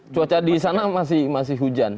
cuaca di sana masih hujan